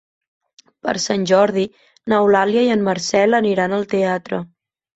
Per Sant Jordi n'Eulàlia i en Marcel aniran al teatre.